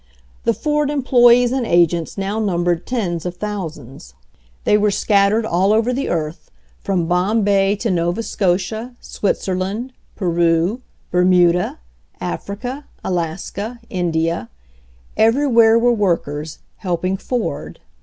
The Ford employees and agents now numbered tens of thousands. They were scattered all over 144 HENRY FORD'S OWN STORY the earth, from Bombay to Nova Scotia, Switzer land, Peru, Bermuda, Africa, Alaska, India — everywhere were workers, helping Ford.